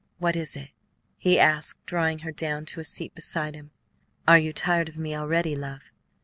"What is it?" he asked, drawing her down to a seat beside him. "Are you tired of me already, love?"